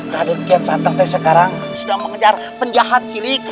raden kian santang sekarang sudah mengejar penjahat kilik